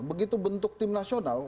begitu bentuk tim nasional